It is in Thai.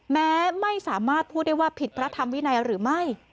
แม้ไม่สามารถพูดได้ว่าผิดพระธรรมวินัยหรือไม่